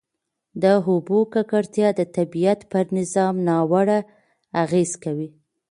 د اوبو ککړتیا د طبیعت پر نظام ناوړه اغېز کوي.